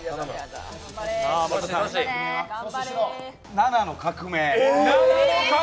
７の革命。